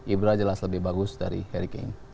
ibra jelas lebih bagus dari harry kane